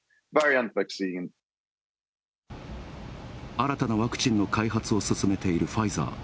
新たなワクチンの開発を進めているファイザー。